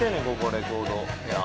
レコード屋。